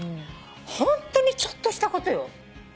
ホントにちょっとしたことよ。